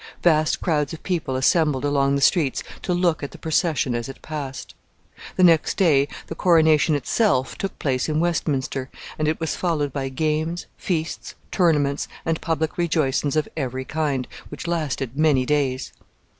Vast crowds of people assembled along the streets to look at the procession as it passed. The next day the coronation itself took place in Westminster, and it was followed by games, feasts, tournaments, and public rejoicings of every kind, which lasted many days.